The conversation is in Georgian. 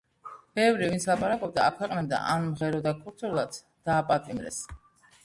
ბევრი, ვინც ლაპარაკობდა, აქვეყნებდა, ან მღეროდა ქურთულად, დააპატიმრეს.